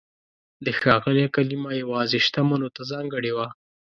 د "ښاغلی" کلمه یوازې شتمنو ته ځانګړې وه.